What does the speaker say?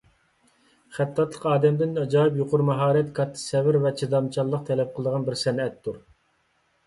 خەتتاتلىق ئادەمدىن ئاجايىپ يۇقىرى ماھارەت، كاتتا سەۋر ۋە چىدامچانلىق تەلەپ قىلىدىغان بىر سەنئەتتۇر.